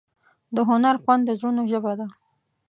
د هنر خوند د زړونو ژبه ده.